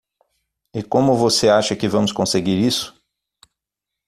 E como você acha que vamos conseguir isso?